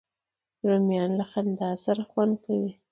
رومیان له خندا سره خوند کوي